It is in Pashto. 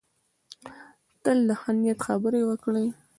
تل د ښه نیت خبرې وکړه.